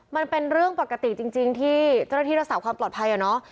มันเป็นเรื่องปกติจริงที่เจ้าหน้าที่รักษาความปลอดภัยอะเนาะ